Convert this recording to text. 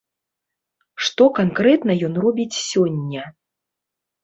Што канкрэтна ён робіць сёння?